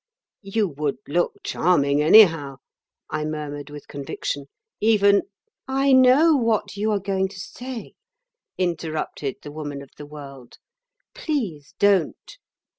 "You would look charming anyhow," I murmured with conviction, "even—" "I know what you are going to say," interrupted the Woman of the World; "please don't.